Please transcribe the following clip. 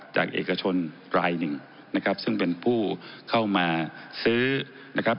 เอกชนรายหนึ่งนะครับซึ่งเป็นผู้เข้ามาซื้อนะครับ